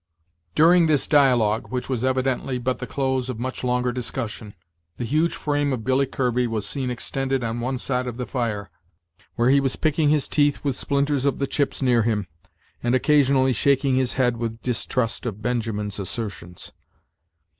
During this dialogue, which was evidently but the close of much longer discussion, the huge frame of Billy Kirby was seen extended on one side of the fire, where he was picking his teeth with splinters of the chips near him, and occasionally shaking his head with distrust of Benjamin's assertions.